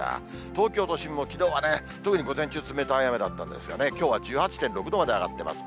東京都心もきのうはね、特に午前中、冷たい雨だったんですがね、きょうは１８．６度まで上がってます。